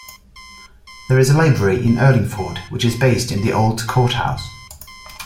There is a library in Urlingford which is based in the old courthouse.